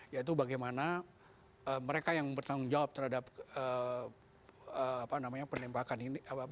yaitu bagaimana mereka yang bertanggung jawab terhadap penembakan ini